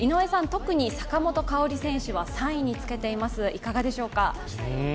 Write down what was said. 特に坂本花織選手は３位につけています、いかがでしょうか？